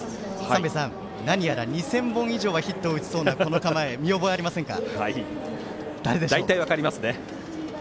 三瓶さん、何やら２０００本以上はヒットを打ちそうなこの構え見覚えありませんか？